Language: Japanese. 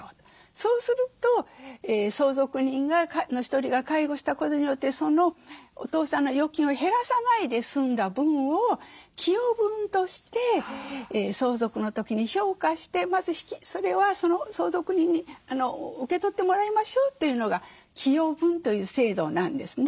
そうすると相続人の１人が介護したことによってそのお父さんの預金を減らさないで済んだ分を寄与分として相続の時に評価してまずそれはその相続人に受け取ってもらいましょうというのが寄与分という制度なんですね。